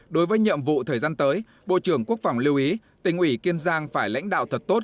đối với nhiệm vụ thời gian tới bộ trưởng quốc phòng lưu ý tỉnh ủy kiên giang phải lãnh đạo thật tốt